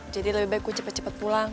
jadi lebih baik gue cepet cepet pulang